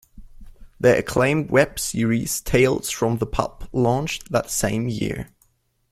Their acclaimed web series "Tales From the Pub" launched that same year.